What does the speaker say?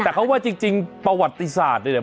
แต่เขาว่าจริงประวัติศาสตร์เนี่ย